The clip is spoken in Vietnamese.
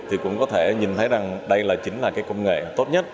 thì cũng có thể nhìn thấy rằng đây chính là cái công nghệ tốt nhất